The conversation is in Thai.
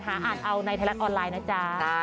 อ่านเอาในไทยรัฐออนไลน์นะจ๊ะ